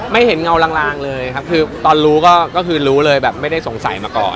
ไม่เห็นเงาลางเลยครับคือตอนรู้ก็คือรู้เลยแบบไม่ได้สงสัยมาก่อน